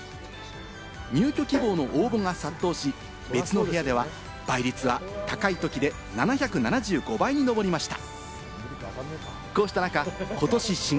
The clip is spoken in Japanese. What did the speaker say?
入居希望の応募が殺到し、別の部屋では、倍率は高いときで７７５倍にのぼりました。